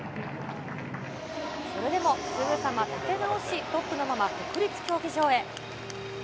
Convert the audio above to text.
それでもすぐさま立て直し、トップのまま国立競技場へ。